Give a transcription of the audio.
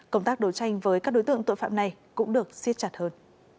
công tác đấu tranh với các đối tượng tội phạm này cũng được xiết chặt hơn